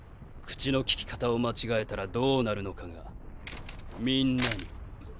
口のきき方を間違えたらどうなるのかがみんなに。